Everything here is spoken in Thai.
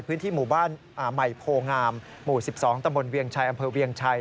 พื้นที่หมู่บ้านใหม่โพงามหมู่๑๒ตำบลเวียงชัยอำเภอเวียงชัย